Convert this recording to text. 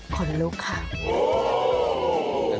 ขนลุกค่ะ